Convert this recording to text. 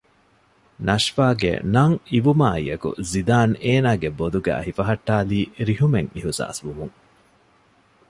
ނަޝްވާގެ ނަން އިވުމާއިއެކު ޒިދާން އޭނާގެ ބޮލުގައި ހިފަހައްޓާލީ ރިހުމެއް އިހުސާސްވުމުން